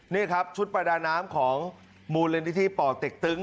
นี่ครับชุดประดานน้ำของมูลลินทิธิ่ย์ปติกตึ้ง